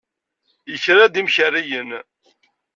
Yekra-d imkariyen.